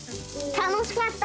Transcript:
楽しかった！